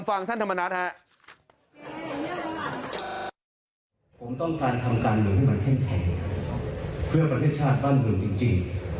ผมต้องการทำการเงินให้มันแข็งแข็งเพื่อประเทศชาติต้านเงินจริงจริง